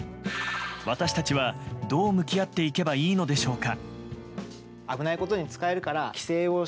私たちはどう向き合っていけばいいのでしょうか。